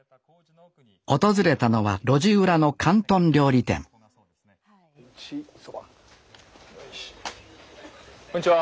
訪れたのは路地裏の広東料理店こんにちは。